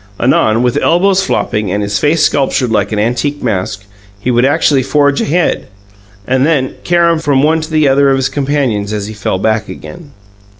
Anon, with elbows flopping and his face sculptured like an antique mask, he would actually forge ahead, and then carom from one to the other of his companions as he fell back again.